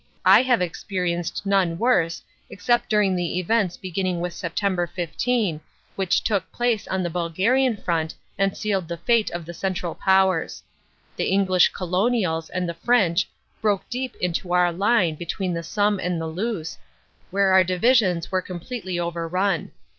I have experienced none worse except during the events beginning with Sept. 15, which took place on the Bulgarian front and sealed the fate of the Central Powers. The English Colonials and the French broke deep into our line between the Somme and the Luce, where our Divisions were completely overrun.